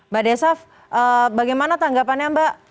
mbak desaf bagaimana tanggapannya mbak